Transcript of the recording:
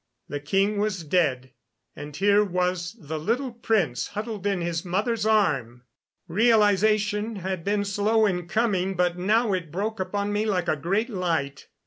The king was dead, and here was the little prince huddled in his mother's arm! Realization had been slow in coming, but now it broke upon me like a great light.